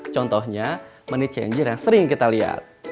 contohnya money changer yang sering kita liat